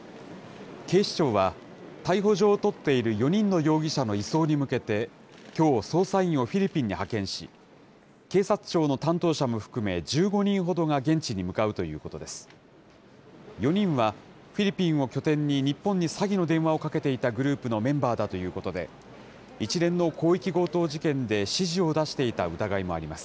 警視庁は逮捕状を取っている４人の容疑者の移送に向けて、きょう、捜査員をフィリピンに派遣し、警察庁の担当者も含め、１５人ほどが現地に向かうということです。